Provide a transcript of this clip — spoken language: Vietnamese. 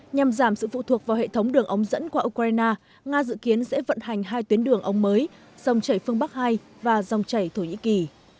nhằm giảm sự phụ thuộc vào hệ thống đường ống dẫn qua ukraine nga dự kiến sẽ vận hành hai tuyến đường ống mới dòng chảy phương bắc hai và dòng chảy thổ nhĩ kỳ